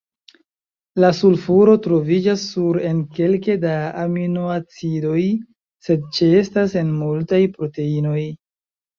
La sulfuro troviĝas nur en kelke da aminoacidoj, sed ĉeestas en multaj proteinoj.